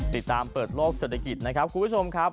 เปิดโลกเศรษฐกิจนะครับคุณผู้ชมครับ